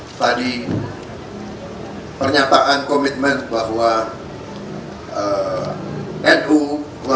atas tadi pernyataan komitmen bahwa nu keluarga besar nu akan mengawal dan berjaya atas nama pribadi